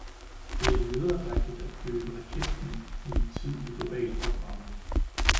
Det er nederdrægtighed at flyve raketfly i en tid med global opvarmning